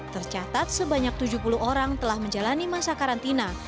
tercatat sebanyak tujuh puluh orang telah menjalani masa karantina